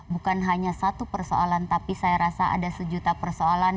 bukan hanya satu persoalan tapi saya rasa ada sejuta persoalan